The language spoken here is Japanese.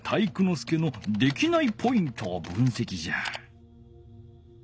介のできないポイントを分せきじゃ。